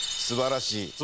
すばらしい。